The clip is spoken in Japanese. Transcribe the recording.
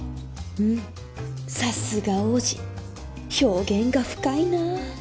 うんさすが王子表現が深いな。